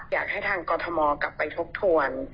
อยากให้ทางกรทมกลับไปทบทวน